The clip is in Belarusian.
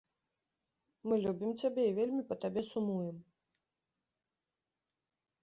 Мы любім цябе і вельмі па табе сумуем.